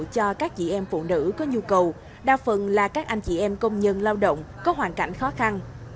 cho các chị em phụ nữ có nhu cầu đa phần là các anh chị em công nhân lao động có hoàn cảnh khó khăn